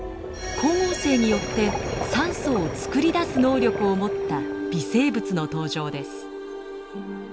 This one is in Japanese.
光合成によって酸素を作り出す能力を持った微生物の登場です。